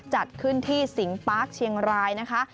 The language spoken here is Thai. จัดขึ้นที่สิงปาร์คเชียงรายนะคะ